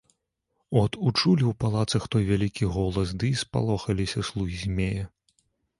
От учулі ў палацах той вялікі голас ды і спалохаліся слугі змея.